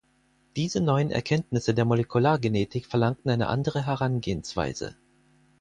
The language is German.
Diese neuen Erkenntnisse der Molekulargenetik verlangten eine andere Herangehensweise.